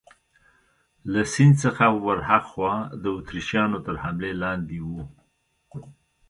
له سیند څخه ورهاخوا د اتریشیانو تر حملې لاندې وو.